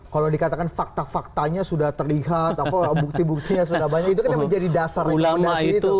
kalau dikatakan fakta faktanya sudah terlihat bukti buktinya sudah banyak itu kan yang menjadi dasar rekomendasi itu